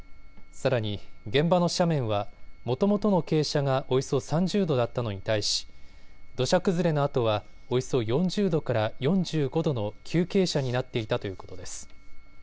さらに現場の斜面はもともとの傾斜がおよそ３０度だったのに対し、土砂崩れのあとはおよそ４０度から４５度の急傾斜になっていたということです。